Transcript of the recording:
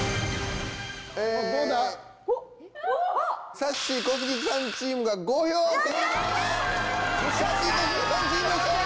さっしー小杉さんチームの勝利！